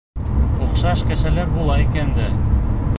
— Оҡшаш кешеләр була икән дә...